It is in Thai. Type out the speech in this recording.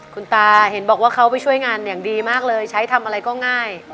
คุณตาเห็นบอกว่าเขาไปช่วยงานอย่างดีมากเลยใช้ทำอะไรก็ง่าย